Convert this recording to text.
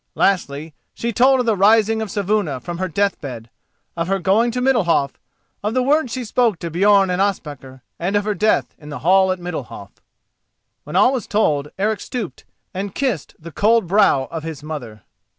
Lastly she told of the rising of Saevuna from her deathbed, of her going to Middalhof, of the words she spoke to Björn and Ospakar, and of her death in the hall at Middalhof. When all was told, Eric stooped and kissed the cold brow of his mother.